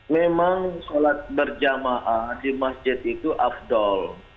memang sholat berjamaah di masjid itu afdol